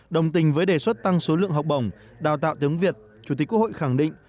đồng tình với đề xuất tăng số lượng học bổng đào tạo tiếng việt chủ tịch quốc hội khẳng định